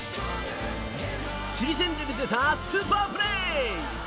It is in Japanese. チリ戦で見せたスーパープレー。